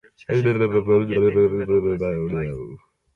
How Does Your Garden Grow?